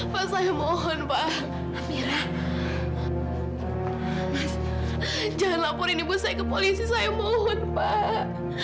mas jangan laporin ibu saya ke polisi saya mohon pak